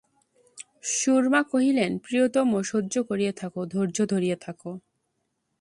সুরমা কহিলেন, প্রিয়তম, সহ্য করিয়া থাকো, ধৈর্য ধরিয়া থাকো।